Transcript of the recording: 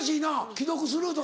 既読スルーとか。